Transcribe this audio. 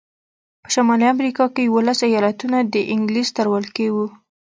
په شمالي امریکا کې یوولس ایالتونه د انګلیس تر ولکې وو.